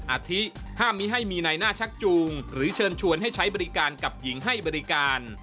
อาทิห้ามมีให้มีในหน้าชักจูงหรือเชิญชวนให้ใช้บริการกับหญิงให้บริการ